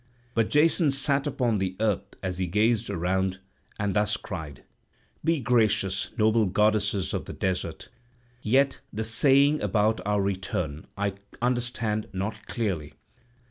But Jason sat upon the earth as he gazed around, and thus cried: "Be gracious, noble goddesses of the desert, yet the saying about our return I understand not clearly.